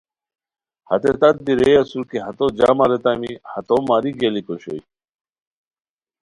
ہتے تات دی رے اسور کی ہتو جام اریتامی ہتو ماری گئیلیک اوشوئے